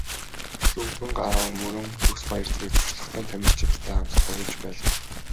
Лхүмбэнгарав, Мөрөн, Төгсбаяр зэрэг туршлагатай тамирчидтай хамтдаа тоглож байлаа.